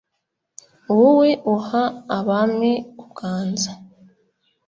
wowe uha abami kuganza